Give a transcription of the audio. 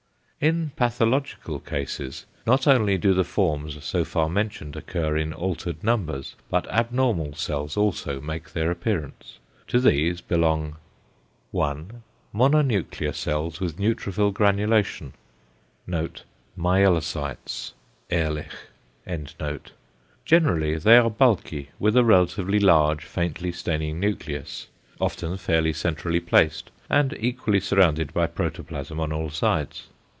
In pathological cases, not only do the forms so far mentioned occur in altered numbers, but abnormal cells also make their appearance. To these belong: 1. =Mononuclear cells with neutrophil granulation.= ("=Myelocytes=," Ehrlich.) Generally they are bulky, with a relatively large, faintly staining nucleus, often fairly centrally placed, and equally surrounded by protoplasm on all sides.